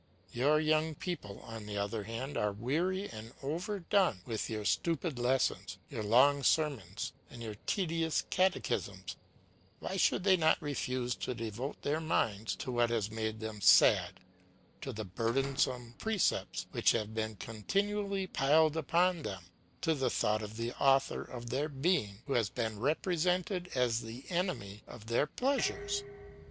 Your young people, on the other hand, are weary and overdone with your stupid lessons, your long sermons, and your tedious catechisms; why should they not refuse to devote their minds to what has made them sad, to the burdensome precepts which have been continually piled upon them, to the thought of the Author of their being, who has been represented as the enemy of their pleasures?